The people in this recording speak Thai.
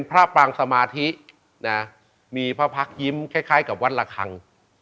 พระพรรคยิ้มคล้ายกับวัดละครัง